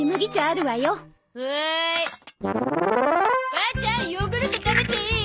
母ちゃんヨーグルト食べていい？